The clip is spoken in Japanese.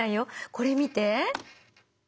これ見て。